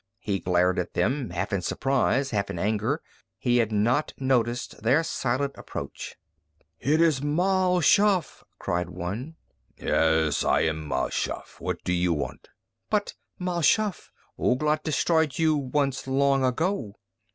He glared at them, half in surprise, half in anger. He had not noticed their silent approach. "It is Mal Shaff!" cried one. "Yes, I am Mal Shaff. What do you want?" "But, Mal Shaff, Ouglat destroyed you once long ago!"